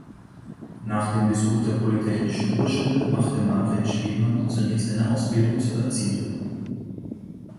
Nach dem Besuch der Polytechnischen Oberschule machte Margrit Spielmann zunächst eine Ausbildung zur Erzieherin.